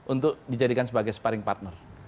untuk dijadikan sebagai sparring partner